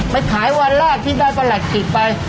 ไปขายวันแรกที่ได้ประหลัดจิกไป